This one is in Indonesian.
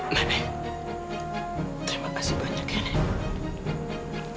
nenek terima kasih banyak nek